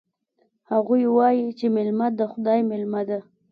هغوی وایي چې میلمه د خدای مېلمه ده